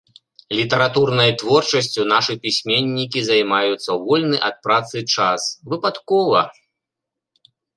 Літаратурнай творчасцю нашы пісьменнікі займаюцца ў вольны ад працы час, выпадкова.